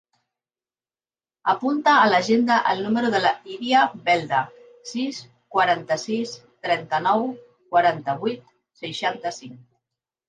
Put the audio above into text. Apunta a l'agenda el número de l'Iria Belda: sis, quaranta-sis, trenta-nou, quaranta-vuit, seixanta-cinc.